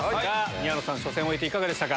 宮野さん初戦を終えていかがでしたか？